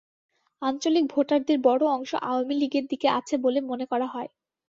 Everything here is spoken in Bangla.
আঞ্চলিক ভোটারদের বড় অংশ আওয়ামী লীগের দিকে আছে বলে মনে করা হয়।